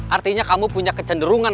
artinya kamu punya kecenderungan